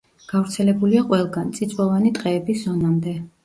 გავრცელებულია ყველგან, წიწვოვანი ტყეების ზონამდე.